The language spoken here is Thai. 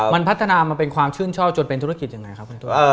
มันพัฒนามาเป็นความชื่นชอบจนเป็นธุรกิจยังไงครับคุณตัว